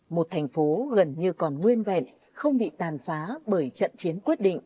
một thành phố gần như còn nguyên vẹn không bị tàn phá bởi trận chiến quyết định